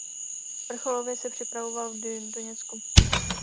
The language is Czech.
Vrcholově se připravoval v Doněcku.